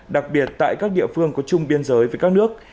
đặc biệt tại các địa phương có chung biên giới với các nước